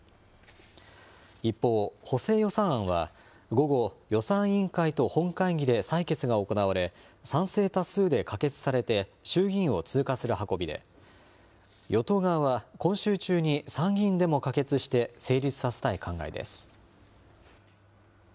一方、補正予算案は、午後、予算委員会と本会議で採決が行われ、賛成多数で可決されて衆議院を通過する運びで、与党側は、今週中に参議院でも可決して成立させたい考えです。